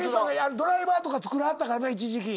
ドライバーとか作りはったからな一時期。